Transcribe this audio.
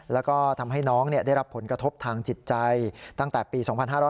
แล้วก็ทำให้น้องได้รับผลกระทบทางจิตใจตั้งแต่ปี๒๕๕๙